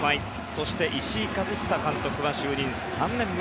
そして石井一久監督は就任３年目。